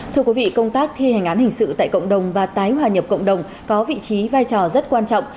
thưa quý vị công tác thi hành án hình sự tại cộng đồng và tái hòa nhập cộng đồng có vị trí vai trò rất quan trọng